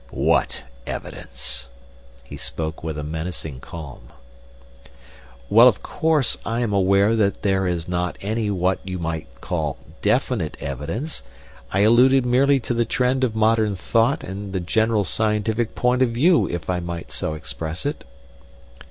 "What evidence?" He spoke with a menacing calm. "Well, of course, I am aware that there is not any what you might call DEFINITE evidence. I alluded merely to the trend of modern thought and the general scientific point of view, if I might so express it."